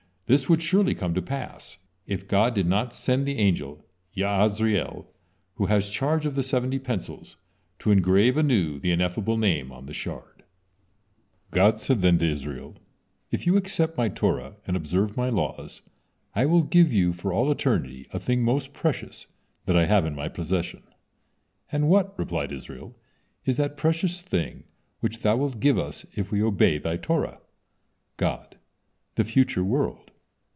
This would surely come to pass, if God did not sent the angel Ya'asriel, who has charge of the seventy pencils, to engrave anew the Ineffable Name on the shard. God said then to Israel, "If you accept My Torah and observe My laws, I will give you for all eternity a thing most precious that I have in My possession." "And what," replied Israel, "is that precious thing which Thou wilt give us if we obey Thy Torah?" God: "The future world."